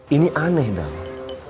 ini aneh dawa